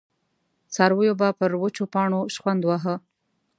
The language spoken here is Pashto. څارويو به پر وچو پاڼو شخوند واهه.